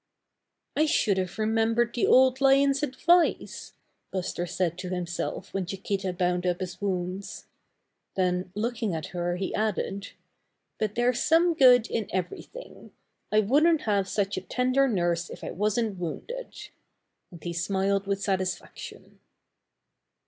'T should have remembered the Old Lion's advice," Buster said to himself when Chiquita bound up his wounds. Then looking at her, he added: "But there's some good in every thing. I wouldn't have such a tender nurse if I wasn't wounded." And he smiled with satisfaction.